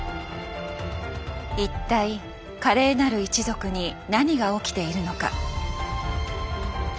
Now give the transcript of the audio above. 一体華麗なる一族に何が起きているのか。